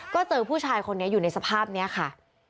ก็เจอผู้ชายคนนี้อยู่ในสภาพนี้ค่ะ